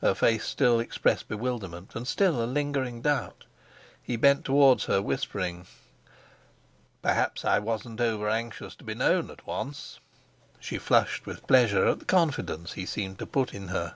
Her face still expressed bewilderment, and still a lingering doubt. He bent towards her, whispering: "Perhaps I wasn't over anxious to be known at once." She flushed with pleasure at the confidence he seemed to put in her.